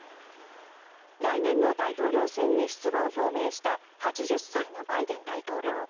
来年の大統領選に出馬を表明した８０歳のバイデン大統領。